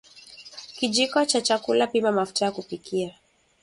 kijiko cha chakula pima mafuta ya kupikia